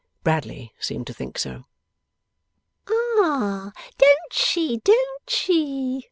Bradley seemed to think so. 'Ah! Don't she, don't she?